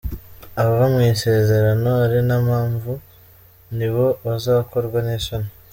Abava mu isezerano ari nta mpamvu, Ni bo bazakorwa n’isoni.